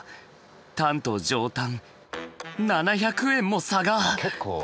タンと上タン７００円も差が！